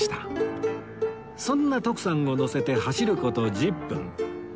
そんな徳さんを乗せて走る事１０分